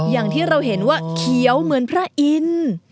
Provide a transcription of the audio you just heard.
อย่างที่เราเห็นว่าเขียวเหมือนพระอินทร์